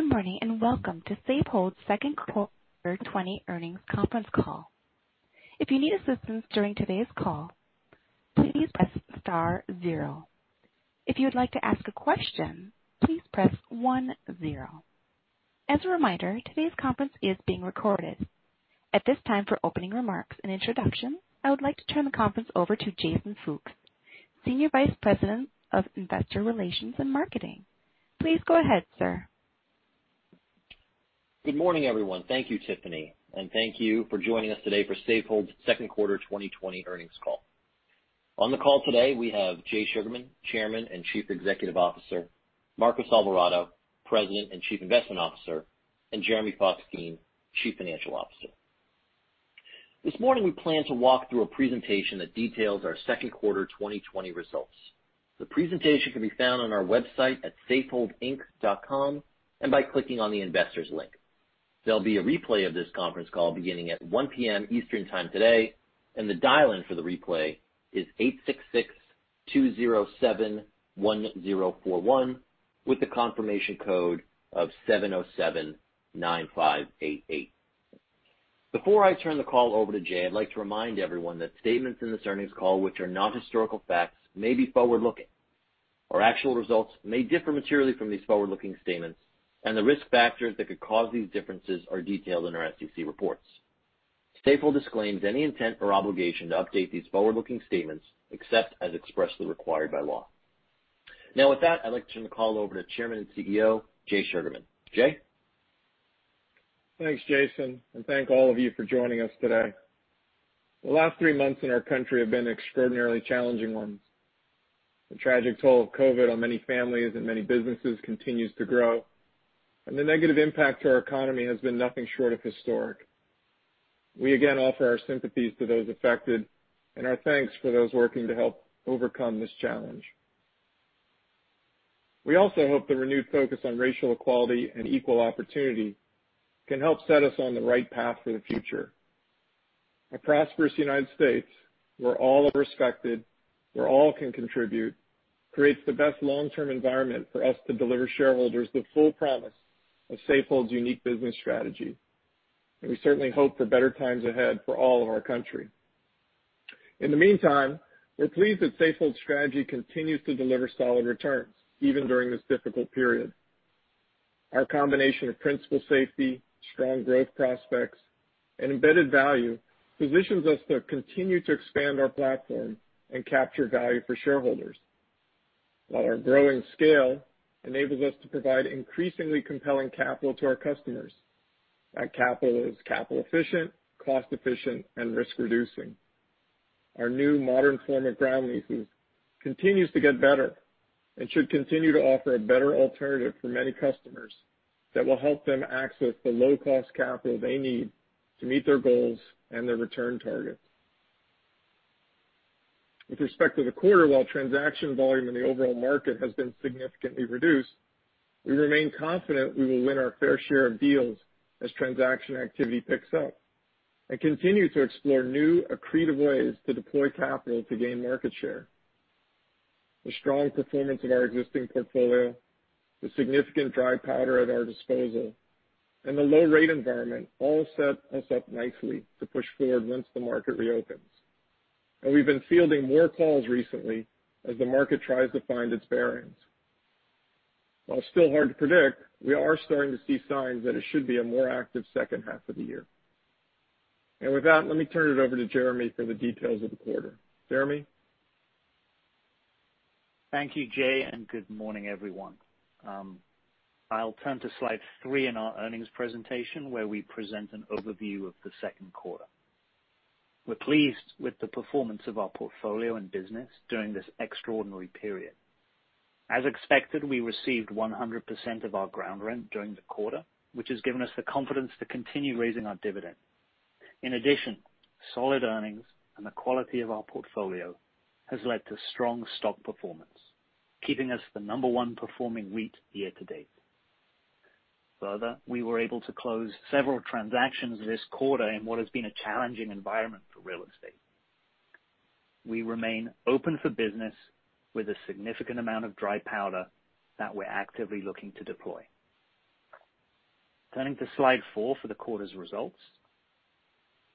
Good morning, and welcome to Safehold's Second Quarter 2020 Earnings Conference Call. If you need assistance during today's call, please press star zero. If you would like to ask a question, please press one zero. As a reminder, today's conference is being recorded. At this time, for opening remarks and introduction, I would like to turn the conference over to Jason Fooks, Senior Vice President of Investor Relations and Marketing. Please go ahead, sir. Good morning, everyone. Thank you, Tiffany, and thank you for joining us today for Safehold's Second Quarter 2020 Earnings Call. On the call today, we have Jay Sugarman, Chairman and Chief Executive Officer, Marcos Alvarado, President and Chief Investment Officer, and Jeremy Fox-Geen, Chief Financial Officer. This morning, we plan to walk through a presentation that details our second quarter 2020 results. The presentation can be found on our website at safeholdinc.com and by clicking on the investors link. There'll be a replay of this conference call beginning at 1:00 P.M. Eastern Time today, and the dial-in for the replay is 866-207-1041, with the confirmation code of 7079588. Before I turn the call over to Jay, I'd like to remind everyone that statements in this earnings call which are not historical facts may be forward-looking. Our actual results may differ materially from these forward-looking statements, and the risk factors that could cause these differences are detailed in our SEC reports. Safehold disclaims any intent or obligation to update these forward-looking statements except as expressly required by law. Now with that, I'd like to turn the call over to Chairman and CEO, Jay Sugarman. Jay? Thanks, Jason. Thank all of you for joining us today. The last three months in our country have been extraordinarily challenging ones. The tragic toll of COVID on many families and many businesses continues to grow. The negative impact to our economy has been nothing short of historic. We again offer our sympathies to those affected and our thanks for those working to help overcome this challenge. We also hope the renewed focus on racial equality and equal opportunity can help set us on the right path for the future. A prosperous United States, where all are respected, where all can contribute, creates the best long-term environment for us to deliver shareholders the full promise of Safehold's unique business strategy. We certainly hope for better times ahead for all of our country. In the meantime, we're pleased that Safehold's strategy continues to deliver solid returns, even during this difficult period. Our combination of principal safety, strong growth prospects, and embedded value positions us to continue to expand our platform and capture value for shareholders. While our growing scale enables us to provide increasingly compelling capital to our customers. That capital is capital efficient, cost-efficient, and risk reducing. Our new modern form of ground leases continues to get better and should continue to offer a better alternative for many customers that will help them access the low-cost capital they need to meet their goals and their return targets. With respect to the quarter, while transaction volume in the overall market has been significantly reduced, we remain confident we will win our fair share of deals as transaction activity picks up and continue to explore new, accretive ways to deploy capital to gain market share. The strong performance of our existing portfolio, the significant dry powder at our disposal, and the low rate environment all set us up nicely to push forward once the market reopens. We've been fielding more calls recently as the market tries to find its bearings. While still hard to predict, we are starting to see signs that it should be a more active second half of the year. With that, let me turn it over to Jeremy for the details of the quarter. Jeremy? Thank you, Jay, and good morning, everyone. I'll turn to slide three in our earnings presentation, where we present an overview of the second quarter. We're pleased with the performance of our portfolio and business during this extraordinary period. As expected, we received 100% of our ground rent during the quarter, which has given us the confidence to continue raising our dividend. In addition, solid earnings and the quality of our portfolio has led to strong stock performance, keeping us the number one performing REIT year-to-date. Further, we were able to close several transactions this quarter in what has been a challenging environment for real estate. We remain open for business with a significant amount of dry powder that we're actively looking to deploy. Turning to slide four for the quarter's results.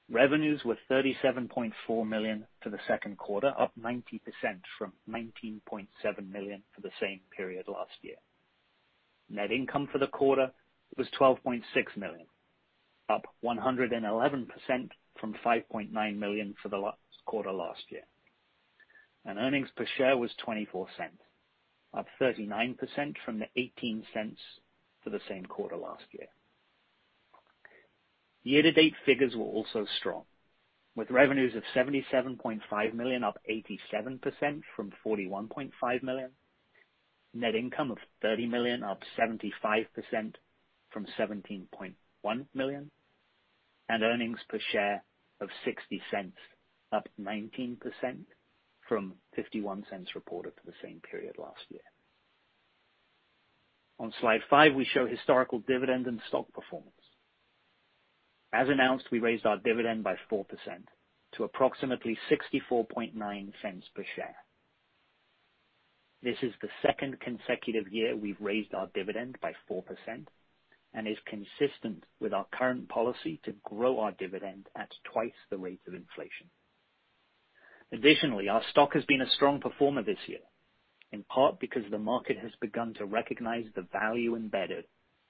Revenues were $37.4 million for the second quarter, up 90% from $19.7 million for the same period last year. Net income for the quarter was $12.6 million, up 111% from $5.9 million for the quarter last year. EPS was $0.24, up 39% from the $0.18 for the same quarter last year. Year to date figures were also strong, with revenues of $77.5 million, up 87% from $41.5 million. Net income of $30 million, up 75% from $17.1 million. EPS of $0.60, up 19% from $0.51 reported for the same period last year. On slide five, we show historical dividend and stock performance. As announced, we raised our dividend by 4% to approximately $0.649 per share. This is the second consecutive year we've raised our dividend by 4% and is consistent with our current policy to grow our dividend at twice the rate of inflation. Our stock has been a strong performer this year, in part because the market has begun to recognize the value embedded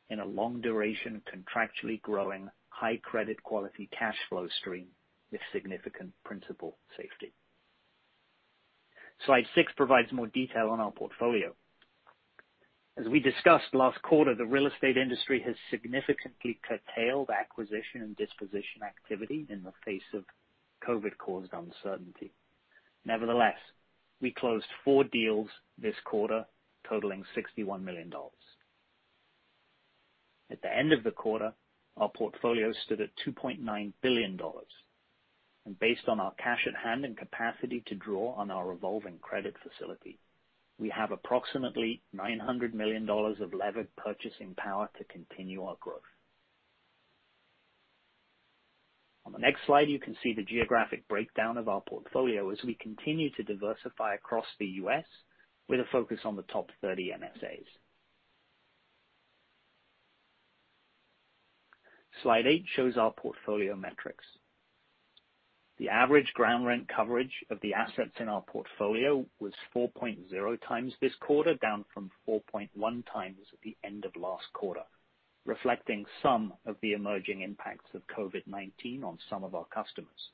in a long duration, contractually growing high credit quality cash flow stream with significant principal safety. Slide six provides more detail on our portfolio. As we discussed last quarter, the real estate industry has significantly curtailed acquisition and disposition activity in the face of COVID-caused uncertainty. We closed four deals this quarter totaling $61 million. At the end of the quarter, our portfolio stood at $2.9 billion. Based on our cash at hand and capacity to draw on our revolving credit facility, we have approximately $900 million of levered purchasing power to continue our growth. On the next slide, you can see the geographic breakdown of our portfolio as we continue to diversify across the U.S. with a focus on the top 30 MSAs. Slide eight shows our portfolio metrics. The average ground rent coverage of the assets in our portfolio was 4.0x this quarter, down from 4.1x at the end of last quarter, reflecting some of the emerging impacts of COVID-19 on some of our customers.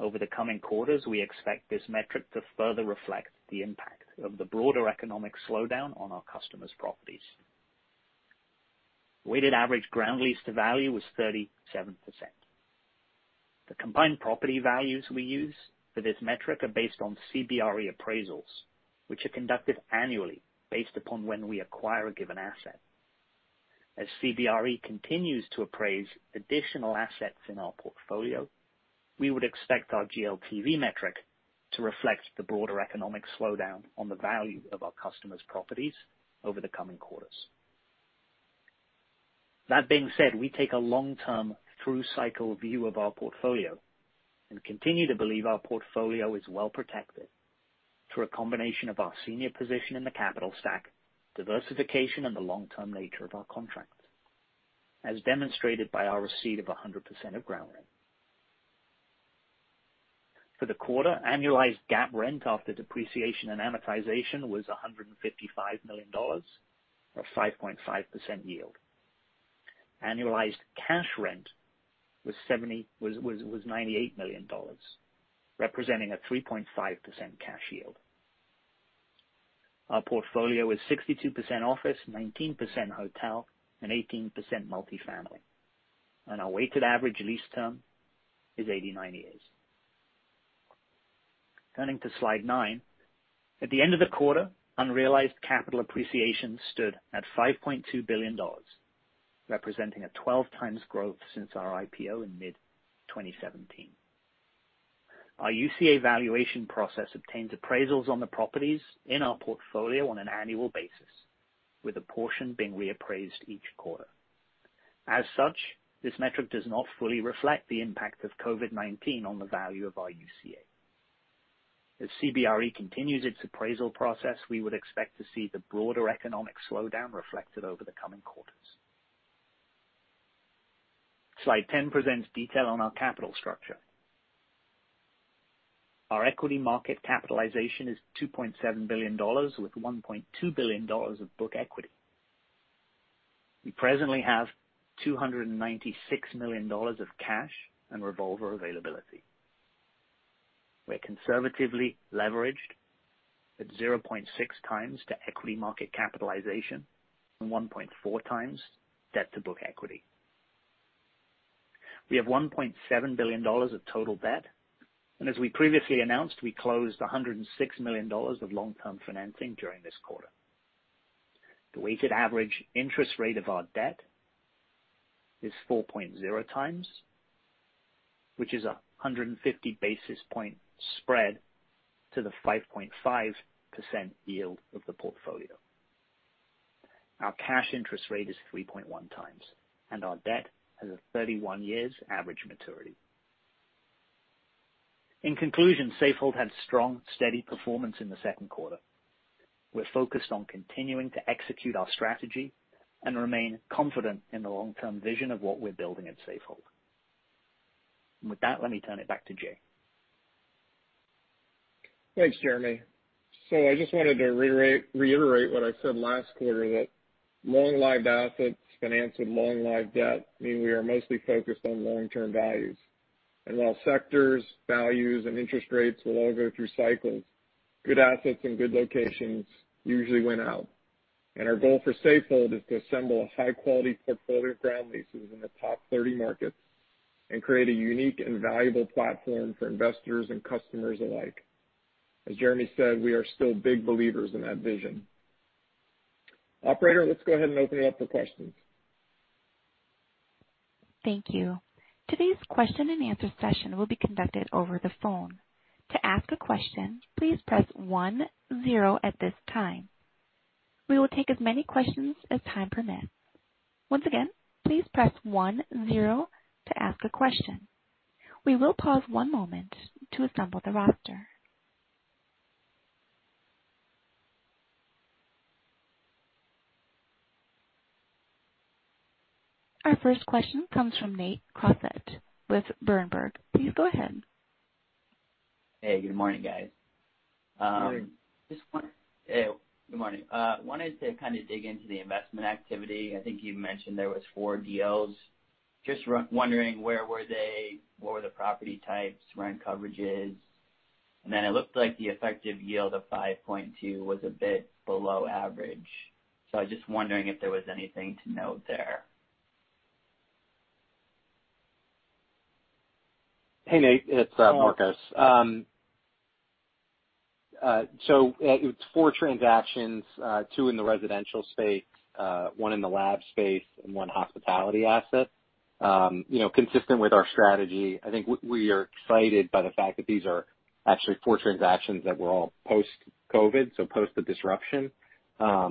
Over the coming quarters, we expect this metric to further reflect the impact of the broader economic slowdown on our customers' properties. Weighted average ground lease to value was 37%. The combined property values we use for this metric are based on CBRE appraisals, which are conducted annually based upon when we acquire a given asset. As CBRE continues to appraise additional assets in our portfolio, we would expect our GLTV metric to reflect the broader economic slowdown on the value of our customers' properties over the coming quarters. That being said, we take a long term through cycle view of our portfolio and continue to believe our portfolio is well protected through a combination of our senior position in the capital stack, diversification, and the long term nature of our contracts, as demonstrated by our receipt of 100% of ground rent. For the quarter, annualized GAAP rent after depreciation and amortization was $155 million, or 5.5% yield. Annualized cash rent was $98 million, representing a 3.5% cash yield. Our portfolio is 62% office, 19% hotel, and 18% multi-family. Our weighted average lease term is 89 years. Turning to slide nine. At the end of the quarter, unrealized capital appreciation stood at $5.2 billion, representing a 12x growth since our IPO in mid 2017. Our UCA valuation process obtains appraisals on the properties in our portfolio on an annual basis, with a portion being reappraised each quarter. As such, this metric does not fully reflect the impact of COVID-19 on the value of our UCA. As CBRE continues its appraisal process, we would expect to see the broader economic slowdown reflected over the coming quarters. Slide 10 presents detail on our capital structure. Our equity market capitalization is $2.7 billion, with $1.2 billion of book equity. We presently have $296 million of cash and revolver availability. We're conservatively leveraged at 0.6x to equity market capitalization and 1.4x debt to book equity. We have $1.7 billion of total debt, and as we previously announced, we closed $106 million of long-term financing during this quarter. The weighted average interest rate of our debt is 4.0x, which is 150 basis point spread to the 5.5% yield of the portfolio. Our cash interest rate is 3.1x, and our debt has a 31 years average maturity. In conclusion, Safehold had strong, steady performance in the second quarter. We're focused on continuing to execute our strategy and remain confident in the long-term vision of what we're building at Safehold. With that, let me turn it back to Jay. Thanks, Jeremy. I just wanted to reiterate what I said last quarter, that long-lived assets financed with long-lived debt mean we are mostly focused on long-term values. While sectors, values, and interest rates will all go through cycles, good assets and good locations usually win out. Our goal for Safehold is to assemble a high quality portfolio of ground leases in the top 30 markets and create a unique and valuable platform for investors and customers alike. As Jeremy said, we are still big believers in that vision. Operator, let's go ahead and open it up for questions. Thank you. Today's question-and-answer session will be conducted over the phone. To ask a question, please press one zero at this time. We will take as many questions as time permits. Once again, please press one zero to ask a question. We will pause one moment to assemble the roster. Our first question comes from Nate Crossett with Berenberg. Please go ahead. Hey, good morning, guys. Good morning. Hey, good morning. Wanted to kind of dig into the investment activity. I think you mentioned there was four deals. Just wondering, where were they? What were the property types, rent coverages? It looked like the effective yield of 5.2 was a bit below average. I was just wondering if there was anything to note there. Hey, Nate, it's Marcos. It's four transactions, two in the residential space, one in the lab space and one hospitality asset. Consistent with our strategy, I think we are excited by the fact that these are actually four transactions that were all post-COVID, so post the disruption. I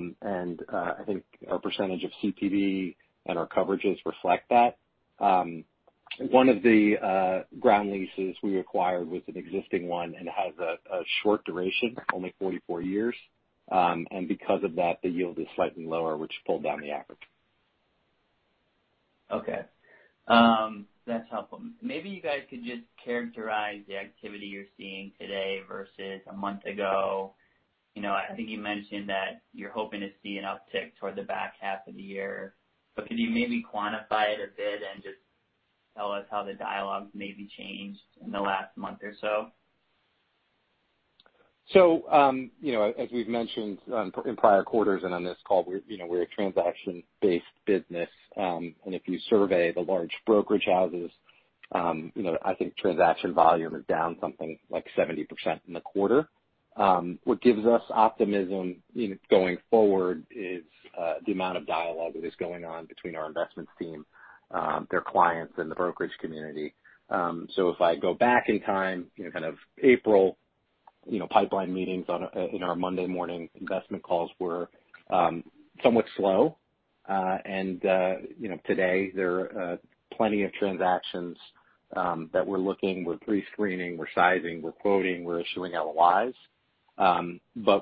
think our percentage of CPV and our coverages reflect that. One of the ground leases we acquired was an existing one and has a short duration, only 44 years. Because of that, the yield is slightly lower, which pulled down the average. Okay. That's helpful. Maybe you guys could just characterize the activity you're seeing today versus a month ago. I think you mentioned that you're hoping to see an uptick toward the back half of the year, but could you maybe quantify it a bit and just tell us how the dialogue maybe changed in the last month or so? As we've mentioned in prior quarters and on this call, we're a transaction-based business. If you survey the large brokerage houses, I think transaction volume is down something like 70% in the quarter. What gives us optimism going forward is the amount of dialogue that is going on between our investments team, their clients and the brokerage community. If I go back in time, kind of April, pipeline meetings in our Monday morning investment calls were somewhat slow. Today there are plenty of transactions that we're looking, we're prescreening, we're sizing, we're quoting, we're issuing LOIs.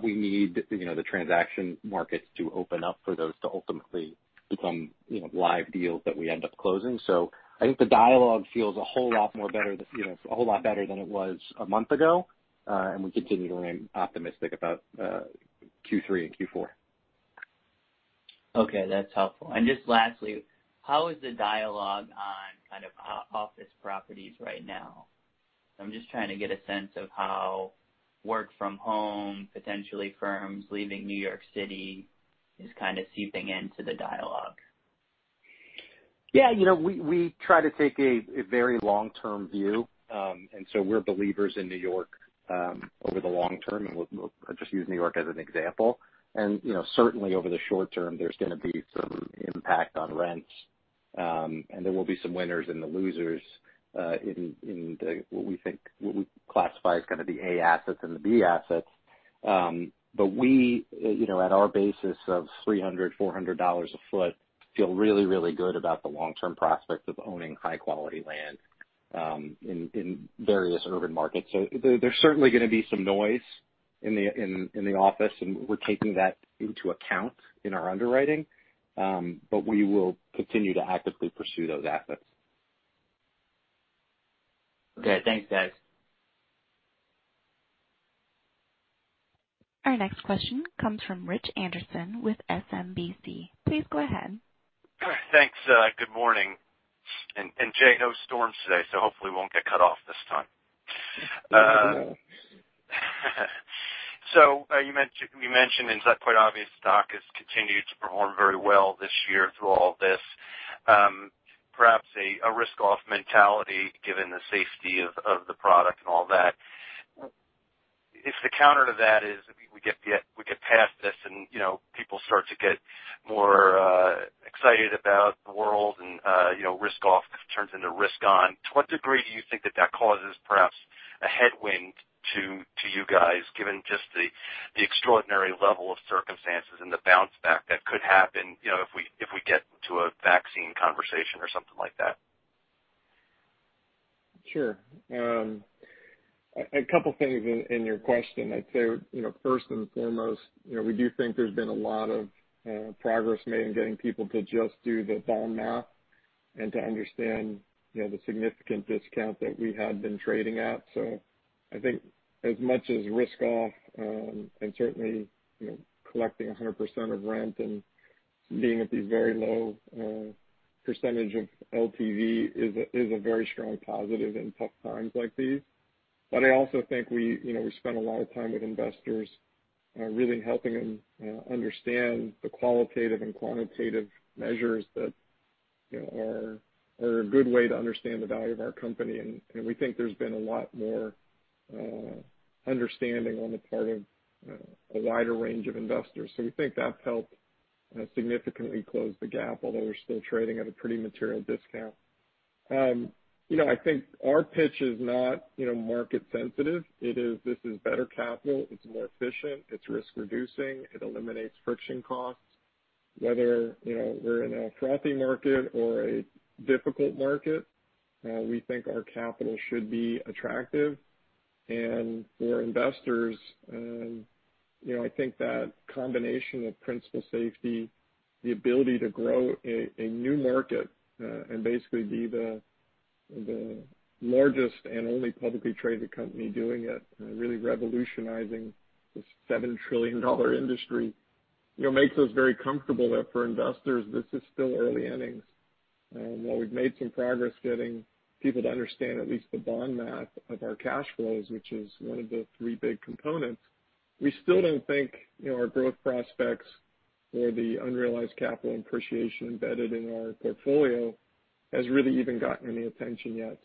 We need the transaction markets to open up for those to ultimately become live deals that we end up closing. I think the dialogue feels a whole lot more better than it was a month ago. We continue to remain optimistic about Q3 and Q4. Okay. That's helpful. Just lastly, how is the dialogue on kind of office properties right now? I'm just trying to get a sense of how work from home, potentially firms leaving New York City is kind of seeping into the dialogue. Yeah. We try to take a very long-term view. We're believers in New York, over the long term, and we'll just use New York as an example. Certainly over the short term, there's going to be some impact on rents. There will be some winners and the losers, in what we think, what we classify as kind of the A assets and the B assets. We, at our basis of $300-$400 a foot, feel really good about the long-term prospects of owning high-quality land, in various urban markets. There's certainly going to be some noise in the office, and we're taking that into account in our underwriting. We will continue to actively pursue those assets. Okay. Thanks, guys. Our next question comes from Rich Anderson with SMBC. Please go ahead. Thanks. Good morning. Jay, no storms today, so hopefully won't get cut off this time. You mentioned, and it's quite obvious, the stock has continued to perform very well this year through all of this. Perhaps a risk-off mentality given the safety of the product and all that. If the counter to that is, we get past this and people start to get more excited about the world and risk-off turns into risk-on. To what degree do you think that that causes perhaps a headwind to you guys, given just the extraordinary level of circumstances and the bounce back that could happen if we get to a vaccine conversation or something like that? Sure. A couple of things in your question. I'd say, first and foremost, we do think there's been a lot of progress made in getting people to just do the bond math and to understand the significant discount that we had been trading at. I think as much as risk-off, and certainly collecting 100% of rent and being at these very low % of LTV is a very strong positive in tough times like these. I also think we spent a lot of time with investors, really helping them understand the qualitative and quantitative measures that are a good way to understand the value of our company. We think there's been a lot more understanding on the part of a wider range of investors. We think that's helped significantly close the gap, although we're still trading at a pretty material discount. I think our pitch is not market sensitive. It is, this is better capital, it's more efficient, it's risk reducing, it eliminates friction costs. Whether we're in a frothy market or a difficult market, we think our capital should be attractive. For investors, I think that combination of principal safety, the ability to grow a new market, and basically be the largest and only publicly traded company doing it, really revolutionizing this $7 trillion industry, makes us very comfortable that for investors, this is still early innings. While we've made some progress getting people to understand at least the bond math of our cash flows, which is one of the three big components, we still don't think our growth prospects or the unrealized capital appreciation embedded in our portfolio has really even gotten any attention yet.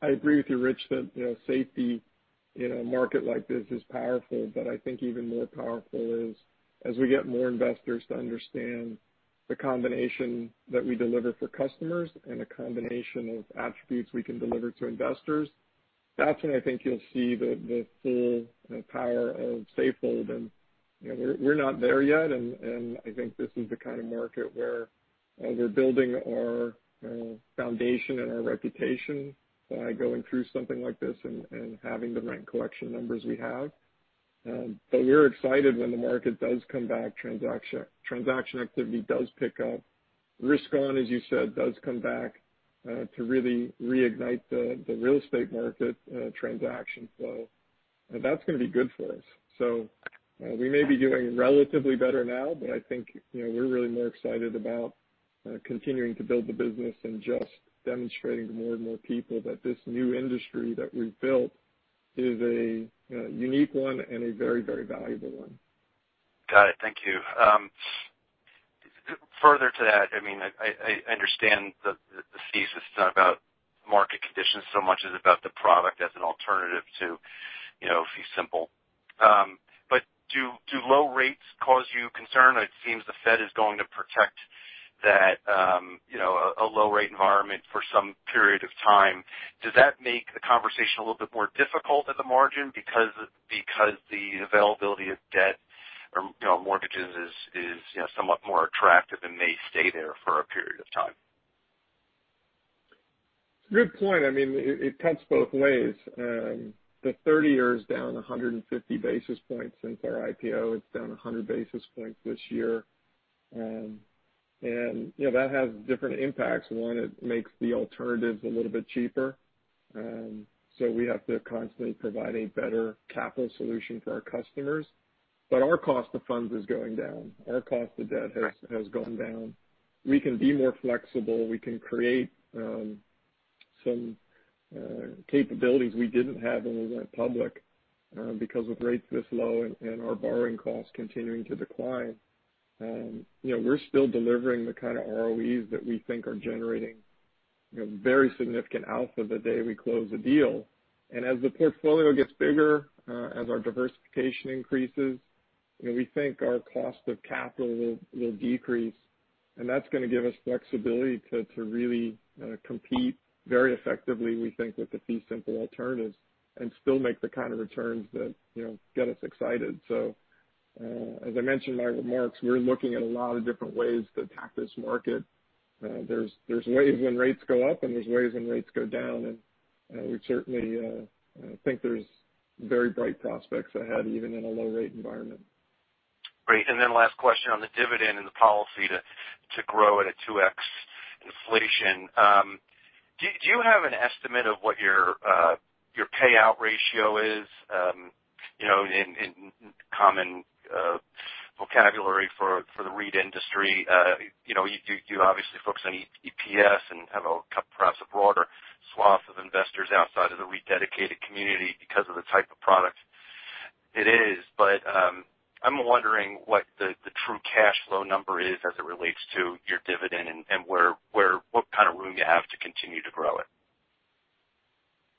I agree with you, Rich, that safety in a market like this is powerful. I think even more powerful is as we get more investors to understand the combination that we deliver for customers and the combination of attributes we can deliver to investors, that's when I think you'll see the full power of Safehold. We're not there yet, and I think this is the kind of market where we're building our foundation and our reputation by going through something like this and having the rent collection numbers we have. We're excited when the market does come back, transaction activity does pick up. Risk-on, as you said, does come back to really reignite the real estate market transaction flow. That's going to be good for us. We may be doing relatively better now, but I think we're really more excited about continuing to build the business and just demonstrating to more and more people that this new industry that we've built is a unique one and a very, very valuable one. Got it. Thank you. Further to that, I understand the thesis is not about market conditions so much as about the product as an alternative to fee simple. Do low rates cause you concern? It seems the Fed is going to protect a low rate environment for some period of time. Does that make the conversation a little bit more difficult at the margin because the availability of debt or mortgages is somewhat more attractive and may stay there for a period of time? Good point. It cuts both ways. The 30-year is down 150 basis points since our IPO. It's down 100 basis points this year. That has different impacts. One, it makes the alternatives a little bit cheaper. We have to constantly provide a better capital solution for our customers. Our cost of funds is going down. Our cost of debt has gone down. We can be more flexible. We can create some capabilities we didn't have when we went public because of rates this low and our borrowing costs continuing to decline. We're still delivering the kind of ROEs that we think are generating very significant alpha the day we close a deal. As the portfolio gets bigger, as our diversification increases, we think our cost of capital will decrease, and that's going to give us flexibility to really compete very effectively, we think, with the fee simple alternatives and still make the kind of returns that get us excited. As I mentioned in my remarks, we're looking at a lot of different ways to attack this market. There's ways when rates go up and there's ways when rates go down, and we certainly think there's very bright prospects ahead, even in a low rate environment. Great. Then last question on the dividend and the policy to grow at a 2x inflation. Do you have an estimate of what your payout ratio is? In common vocabulary for the REIT industry, you obviously focus on EPS and have perhaps a broader swath of investors outside of the REIT dedicated community because of the type of product it is. I'm wondering what the true cash flow number is as it relates to your dividend and what kind of room you have to continue to grow it.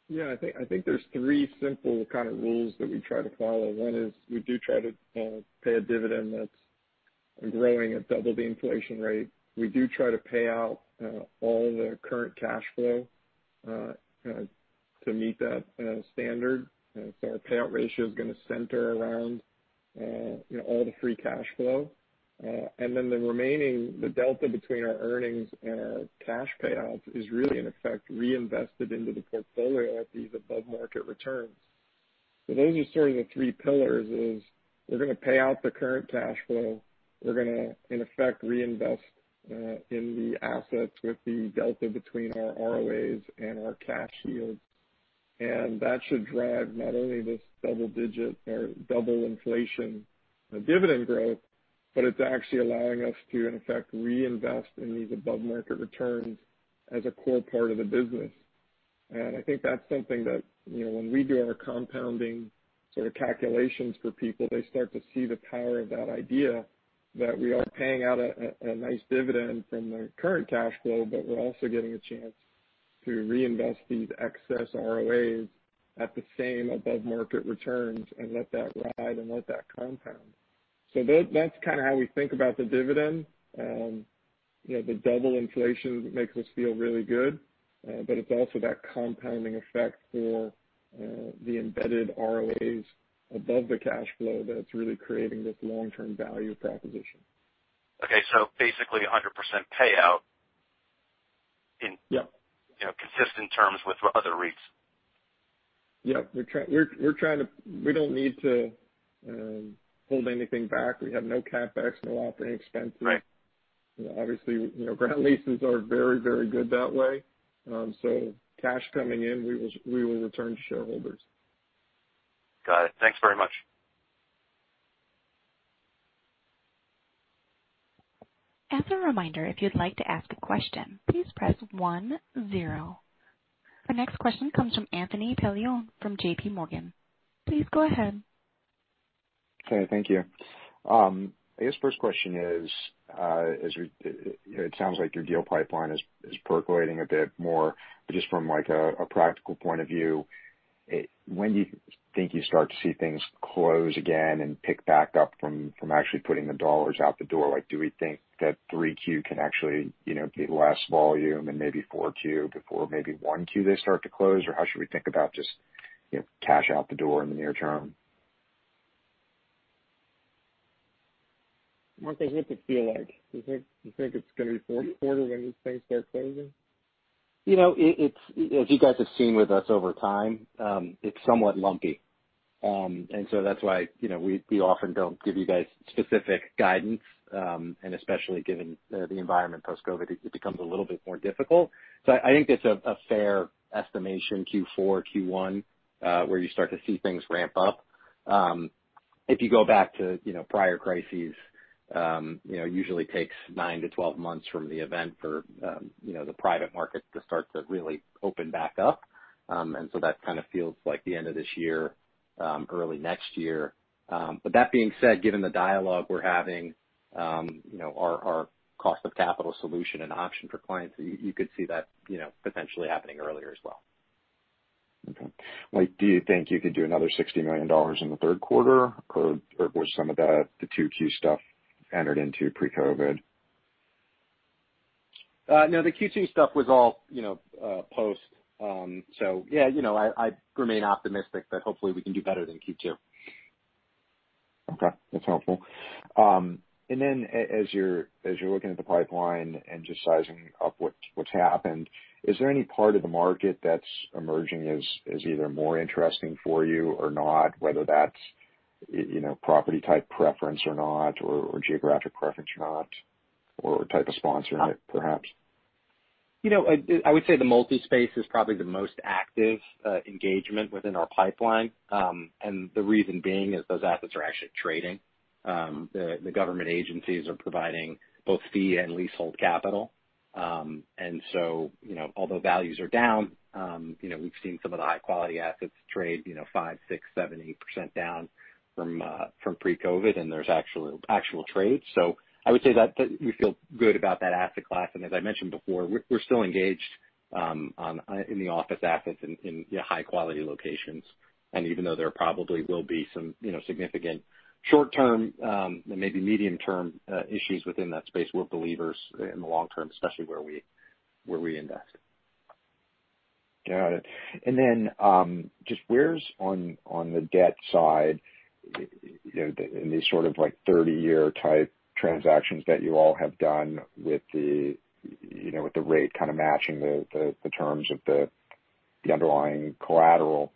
Yeah. I think there's three simple kind of rules that we try to follow. One is we do try to pay a dividend that's growing at double the inflation rate. We do try to pay out all the current cash flow to meet that standard. Our payout ratio is going to center around all the free cash flow. The remaining, the delta between our earnings and our cash payouts is really, in effect, reinvested into the portfolio at these above-market returns. Those are sort of the three pillars, is we're going to pay out the current cash flow. We're going to, in effect, reinvest in the assets with the delta between our ROAs and our cash yields. That should drive not only this double-digit or double inflation dividend growth, but it's actually allowing us to, in effect, reinvest in these above-market returns as a core part of the business. I think that's something that when we do our compounding sort of calculations for people, they start to see the power of that idea that we are paying out a nice dividend from the current cash flow, but we're also getting a chance to reinvest these excess ROAs at the same above-market returns and let that ride and let that compound. That's kind of how we think about the dividend. The double inflation makes us feel really good. It's also that compounding effect for the embedded ROAs above the cash flow that's really creating this long-term value proposition. Okay. Basically 100% payout in Yeah Consistent terms with other REITs. Yeah. We don't need to hold anything back. We have no CapEx, no operating expenses. Right. Obviously, ground leases are very, very good that way. Cash coming in, we will return to shareholders. Got it. Thanks very much. As a reminder, if you'd like to ask a question, please press one zero. Our next question comes from Anthony Paolone from JPMorgan. Please go ahead. Okay. Thank you. I guess first question is, it sounds like your deal pipeline is percolating a bit more, just from a practical point of view, when do you think you start to see things close again and pick back up from actually putting the dollars out the door? Do we think that three Q can actually be less volume and maybe four Q before maybe one Q they start to close? How should we think about just cash out the door in the near term? Marcos, what's it feel like? Do you think it's going to be fourth quarter when these things start closing? As you guys have seen with us over time, it's somewhat lumpy. That's why we often don't give you guys specific guidance, and especially given the environment post-COVID, it becomes a little bit more difficult. I think that's a fair estimation, Q4, Q1, where you start to see things ramp up. If you go back to prior crises, it usually takes nine to 12 months from the event for the private market to start to really open back up. That kind of feels like the end of this year, early next year. That being said, given the dialogue we're having, our cost of capital solution and option for clients, you could see that potentially happening earlier as well. Okay. Do you think you could do another $60 million in the third quarter, or was some of that the two key stuff entered into pre-COVID? No, the Q2 stuff was all post. Yeah, I remain optimistic that hopefully we can do better than Q2. Okay. That's helpful. Then as you're looking at the pipeline and just sizing up what's happened, is there any part of the market that's emerging as either more interesting for you or not, whether that's property type preference or not, or geographic preference or not, or type of sponsor perhaps? I would say the multi-space is probably the most active engagement within our pipeline. The reason being is those assets are actually trading. The government agencies are providing both fee and leasehold capital. Although values are down, we've seen some of the high-quality assets trade five, six, seven, 8% down from pre-COVID, and there's actual trades. I would say that we feel good about that asset class, and as I mentioned before, we're still engaged in the office assets in high-quality locations. Even though there probably will be some significant short-term, and maybe medium-term issues within that space, we're believers in the long term, especially where we invest. Got it. Just where's on the debt side in these sort of 30-year type transactions that you all have done with the rate kind of matching the terms of the underlying collateral,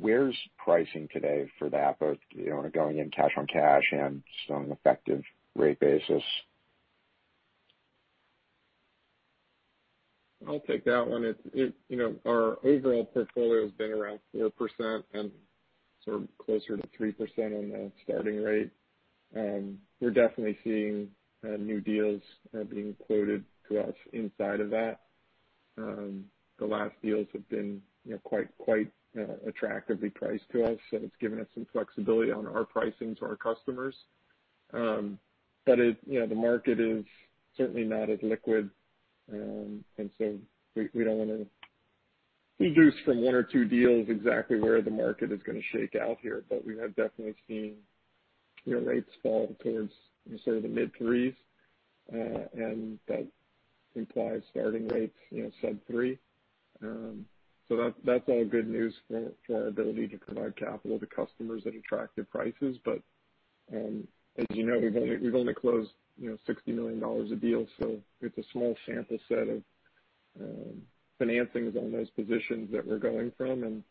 where's pricing today for that, both going in cash on cash and just on an effective rate basis? I'll take that one. Our overall portfolio has been around 4% and sort of closer to 3% on the starting rate. We're definitely seeing new deals being quoted to us inside of that. The last deals have been quite attractively priced to us. It's given us some flexibility on our pricing to our customers. The market is certainly not as liquid. We don't want to deduce from one or two deals exactly where the market is going to shake out here. We have definitely seen rates fall towards sort of the mid threes, and that implies starting rates sub three. That's all good news for our ability to provide capital to customers at attractive prices. As you know, we've only closed $60 million a deal. It's a small sample set of financings on those positions that we're going from.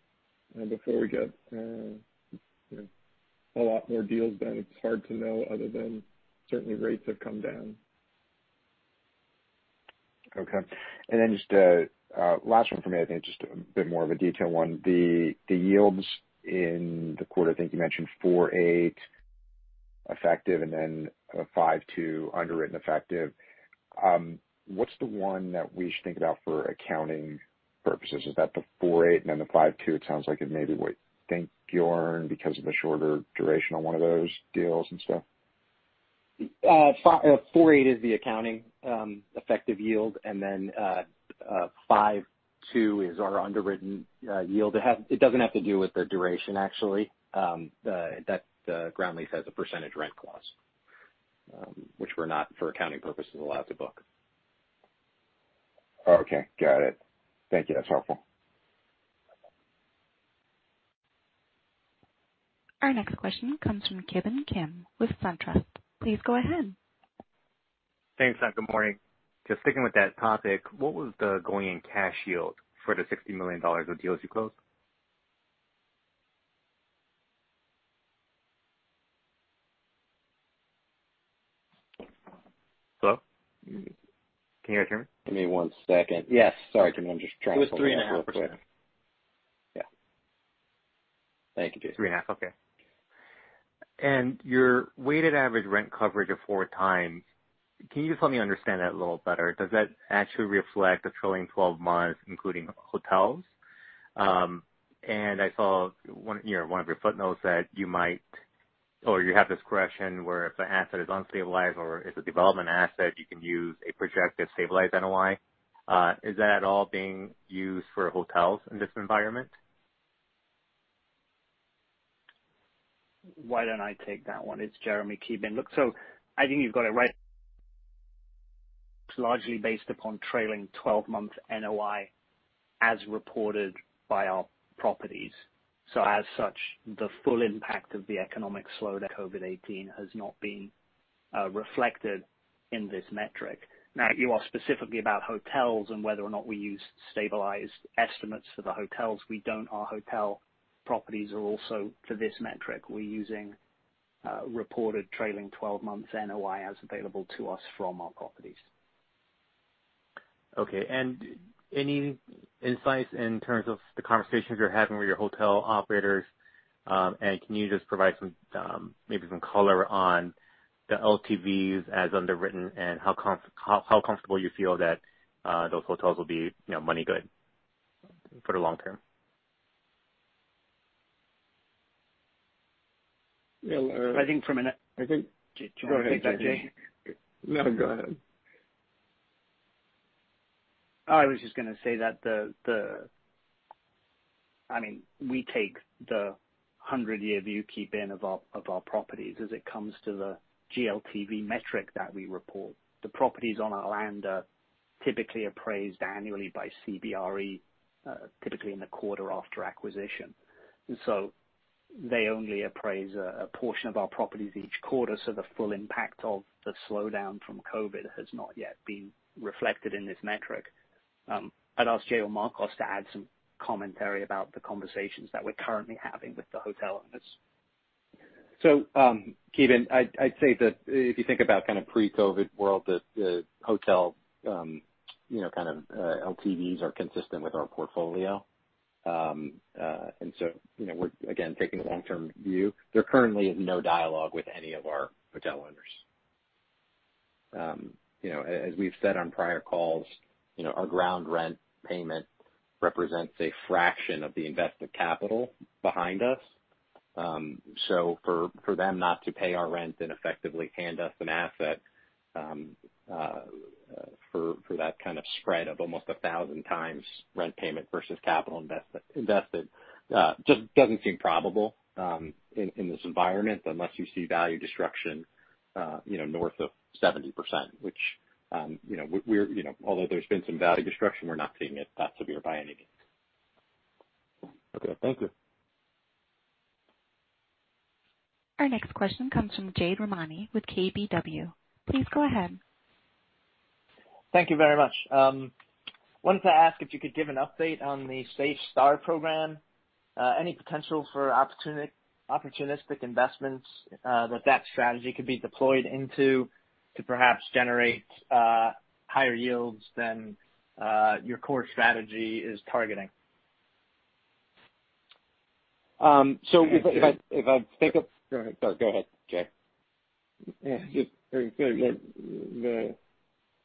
Before we get a lot more deals done, it's hard to know other than certainly rates have come down. Okay. Then just last one from me. I think it's just a bit more of a detail one. The yields in the quarter, I think you mentioned 4.8 effective and then a 5.2 underwritten effective. What's the one that we should think about for accounting purposes? Is that the 4.8 and then the 5.2? It sounds like it may be [ianudible] because of the shorter duration on one of those deals and stuff. 4.8 is the accounting effective yield, then 5.2 is our underwritten yield. It doesn't have to do with the duration, actually. That ground lease has a percentage rent clause which we're not, for accounting purposes, allowed to book. Okay, got it. Thank you. That's helpful. Our next question comes from Ki Bin Kim with SunTrust. Please go ahead. Thanks. Good morning. Just sticking with that topic, what was the going in cash yield for the $60 million of deals you closed? Hello? Can you guys hear me? Give me one second. Yes. Sorry, Ki Bin. I'm just transferring that real quick. It was 3.5%. Yeah. Thank you, Jason. 3.5, okay. Your weighted average rent coverage of 4x, can you just let me understand that a little better? Does that actually reflect a trailing 12 months, including hotels? I saw in one of your footnotes that you have this correction where if an asset is unstable or it's a development asset, you can use a projected stabilized NOI. Is that at all being used for hotels in this environment? Why don't I take that one? It's Jeremy, Ki Bin. Look, I think you've got it right. It's largely based upon trailing 12 months NOI as reported by our properties. As such, the full impact of the economic slowdown of COVID-19 has not been reflected in this metric. Now, you ask specifically about hotels and whether or not we use stabilized estimates for the hotels. We don't. Our hotel properties are also for this metric. We're using reported trailing 12 months NOI as available to us from our properties. Okay. Any insights in terms of the conversations you're having with your hotel operators? Can you just provide maybe some color on the LTVs as underwritten and how comfortable you feel that those hotels will be money-good for the long term? I think from an- I think Do you want me to take that, Jay? No, go ahead. I was just going to say that we take the 100-year view Ki Bin of our properties as it comes to the GLTV metric that we report. The properties on our land are typically appraised annually by CBRE, typically in the quarter after acquisition. So they only appraise a portion of our properties each quarter, so the full impact of the slowdown from COVID has not yet been reflected in this metric. I'd ask Jay or Marcos to add some commentary about the conversations that we're currently having with the hotel owners. Ki Bin, I'd say that if you think about pre-COVID world, that the hotel LTVs are consistent with our portfolio. We're, again, taking a long-term view. There currently is no dialogue with any of our hotel owners. As we've said on prior calls, our ground rent payment represents a fraction of the invested capital behind us. For them not to pay our rent and effectively hand us an asset for that kind of spread of almost 1,000 times rent payment versus capital invested just doesn't seem probable in this environment unless you see value destruction north of 70%, which although there's been some value destruction, we're not seeing it that severe by any means. Okay. Thank you. Our next question comes from Jade Rahmani with KBW. Please go ahead. Thank you very much. Wanted to ask if you could give an update on the SafeStart program. Any potential for opportunistic investments that strategy could be deployed into to perhaps generate higher yields than your core strategy is targeting? Go ahead, Jay. Just to say that the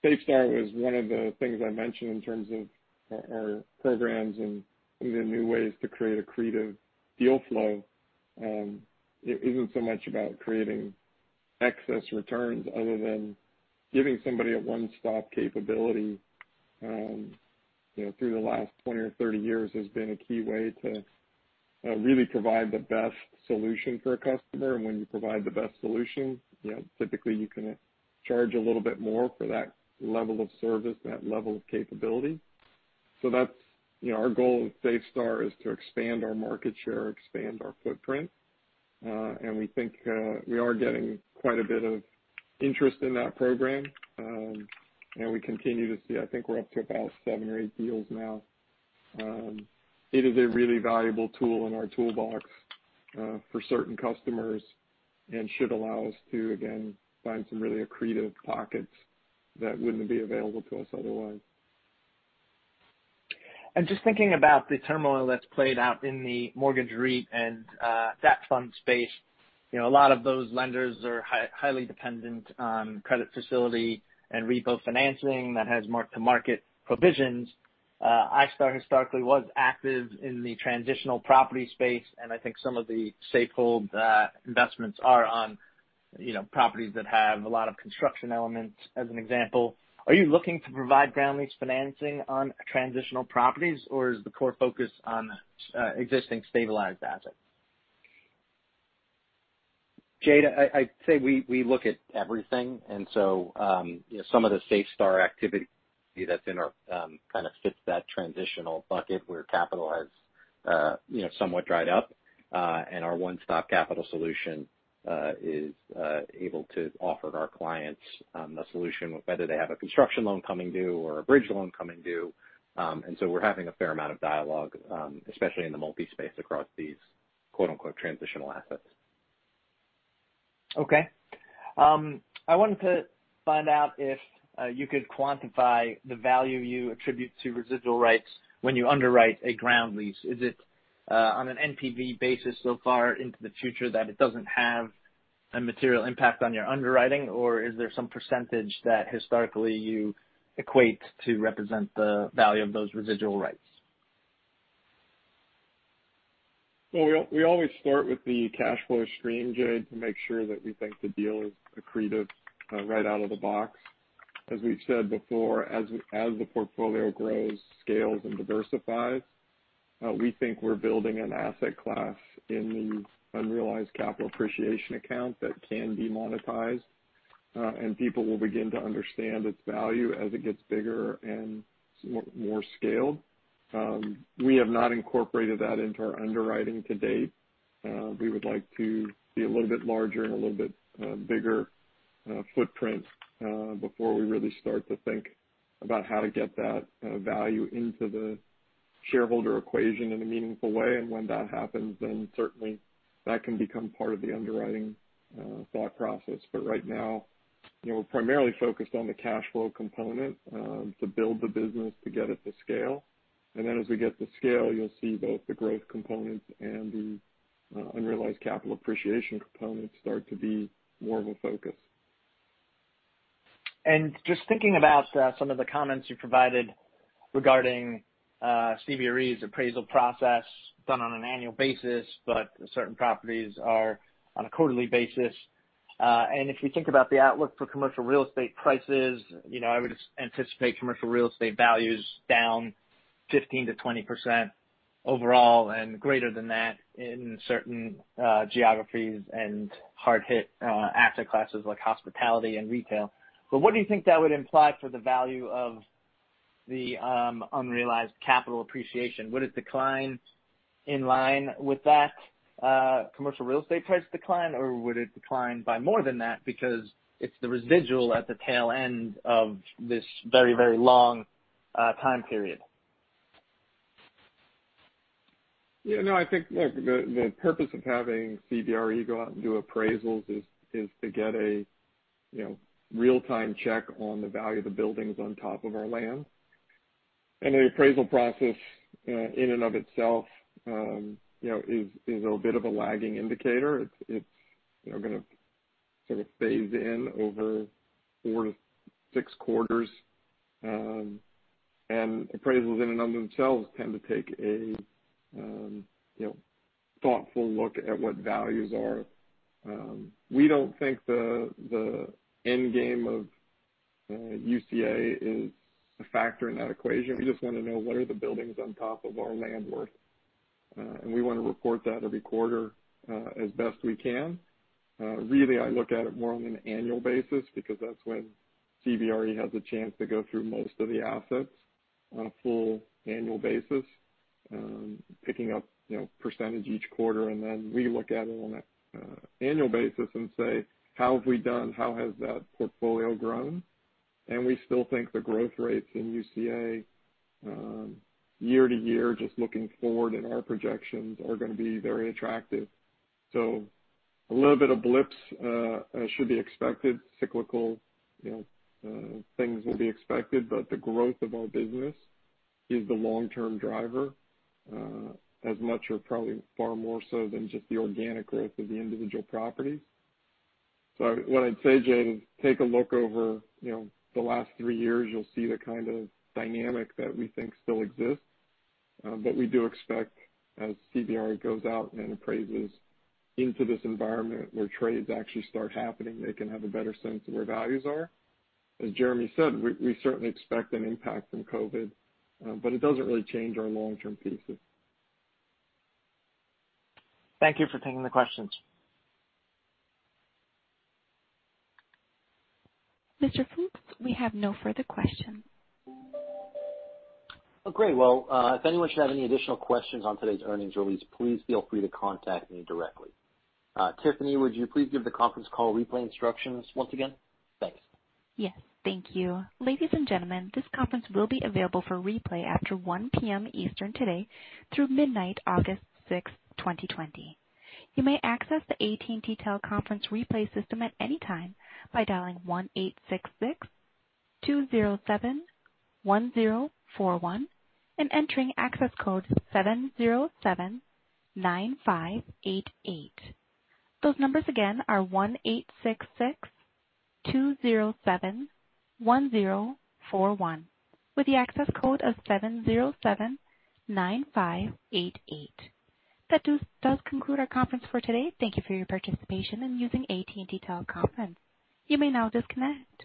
SafeStart was one of the things I mentioned in terms of our programs and even new ways to create accretive deal flow. It isn't so much about creating excess returns other than giving somebody a one-stop capability. Through the last 20 or 30 years has been a key way to really provide the best solution for a customer. When you provide the best solution, typically you can charge a little bit more for that level of service, that level of capability. Our goal with SafeStart is to expand our market share, expand our footprint. We think we are getting quite a bit of interest in that program. We continue to see, I think we're up to about seven or eight deals now. It is a really valuable tool in our toolbox for certain customers and should allow us to, again, find some really accretive pockets that wouldn't be available to us otherwise. Just thinking about the turmoil that's played out in the mortgage REIT and debt fund space, a lot of those lenders are highly dependent on credit facility and repo financing that has mark-to-market provisions. iStar historically was active in the transitional property space, and I think some of the Safehold investments are on properties that have a lot of construction elements, as an example. Are you looking to provide ground lease financing on transitional properties, or is the core focus on existing stabilized assets? Jade, I'd say we look at everything. Some of the SafeStart activity kind of fits that transitional bucket where capital has somewhat dried up. Our one-stop capital solution is able to offer our clients a solution, whether they have a construction loan coming due or a bridge loan coming due. We're having a fair amount of dialogue, especially in the multi-space across these quote unquote "transitional assets. Okay. I wanted to find out if you could quantify the value you attribute to residual rights when you underwrite a ground lease. Is it on an NPV basis so far into the future that it doesn't have a material impact on your underwriting, or is there some percentage that historically you equate to represent the value of those residual rights? Well, we always start with the cash flow stream, Jade, to make sure that we think the deal is accretive right out of the box. As we've said before, as the portfolio grows, scales, and diversifies, we think we're building an asset class in the unrealized capital appreciation account that can be monetized. People will begin to understand its value as it gets bigger and more scaled. We have not incorporated that into our underwriting to date. We would like to be a little bit larger and a little bit bigger footprint before we really start to think about how to get that value into the shareholder equation in a meaningful way. When that happens, then certainly that can become part of the underwriting thought process. Right now, we're primarily focused on the cash flow component to build the business to get it to scale. As we get to scale, you'll see both the growth components and the unrealized capital appreciation components start to be more of a focus. Just thinking about some of the comments you provided regarding CBRE's appraisal process done on an an annual basis, but certain properties are on a quarterly basis. If you think about the outlook for commercial real estate prices, I would anticipate commercial real estate values down 15%-20% overall and greater than that in certain geographies and hard-hit asset classes like hospitality and retail. What do you think that would imply for the value of the unrealized capital appreciation? Would it decline in line with that commercial real estate price decline, or would it decline by more than that because it's the residual at the tail end of this very, very long time period? Yeah, no, I think, look, the purpose of having CBRE go out and do appraisals is to get a real-time check on the value of the buildings on top of our land. The appraisal process in and of itself is a bit of a lagging indicator. It's going to sort of phase in over four to six quarters. Appraisals in and of themselves tend to take a thoughtful look at what values are. We don't think the end game of UCA is a factor in that equation. We just want to know what are the buildings on top of our land worth. We want to report that every quarter as best we can. Really, I look at it more on an annual basis because that's when CBRE has a chance to go through most of the assets on a full annual basis, picking up % each quarter. We look at it on an annual basis and say, "How have we done? How has that portfolio grown?" We still think the growth rates in UCA year to year, just looking forward in our projections, are going to be very attractive. A little bit of blips should be expected. Cyclical things will be expected, but the growth of our business is the long-term driver as much or probably far more so than just the organic growth of the individual properties. What I'd say, Jade, is take a look over the last three years. You'll see the kind of dynamic that we think still exists. We do expect as CBRE goes out and appraises into this environment where trades actually start happening, they can have a better sense of where values are. As Jeremy said, we certainly expect an impact from COVID, but it doesn't really change our long-term thesis. Thank you for taking the questions. Mr. Fooks, we have no further questions. Oh, great. Well, if anyone should have any additional questions on today's earnings release, please feel free to contact me directly. Tiffany, would you please give the conference call replay instructions once again? Thanks. Yes. Thank you. Ladies and gentlemen, this conference will be available for replay after 1:00 P.M. Eastern today through midnight August 6, 2020. You may access the AT&T TeleConference replay system at any time by dialing 1-866-207-1041 and entering access code 7079588. Those numbers again are 1-866-207-1041 with the access code of 7079588. That does conclude our conference for today. Thank you for your participation in using AT&T TeleConference. You may now disconnect.